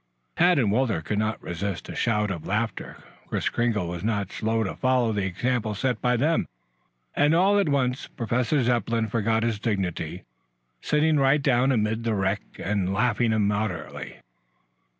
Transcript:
Tad and Walter could not resist a shout of laughter. Kris Kringle was not slow to follow the example set by them, and all at once Professor Zepplin forgot his dignity, sitting right down amid the wreck and laughing immoderately.